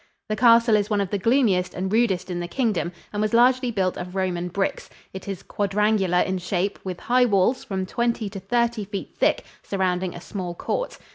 The castle is one of the gloomiest and rudest in the Kingdom, and was largely built of Roman bricks. It is quadrangular in shape, with high walls from twenty to thirty feet thick surrounding a small court.